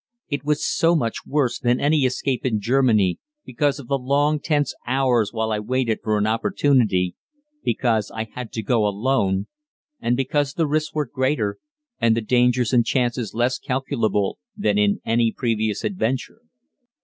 It was so much worse than any escape in Germany, because of the long, tense hours while I waited for an opportunity, because I had to go alone, and because the risks were greater and the dangers and chances less calculable than in any previous adventure.